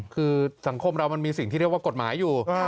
คือสังคมเรามันมีสิ่งที่เรียกว่ากฎหมายอยู่